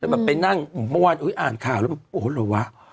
ไปนั่งอ่านข่าวโอ้โหหรอวะ